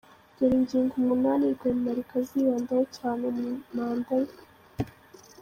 Dore ingingo umunani Rwemarika azibandaho cyane muri manda ye:.